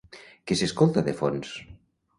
Què s'escolta de fons?